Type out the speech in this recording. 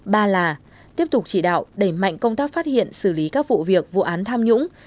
ba là tiếp tục chỉ đạo đẩy mạnh công tác phát hiện xử lý các vụ việc vụ án tham nhũng